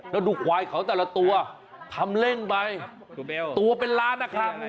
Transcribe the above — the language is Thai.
แล้วดูควายเขาแต่ละตัวทำเล่นไปตัวเป็นล้านนะคะ